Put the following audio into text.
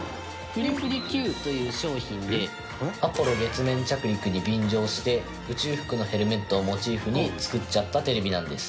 フリフリＱという商品でアポロ月面着陸に便乗して宇宙服のヘルメットをモチーフに作っちゃったテレビなんです。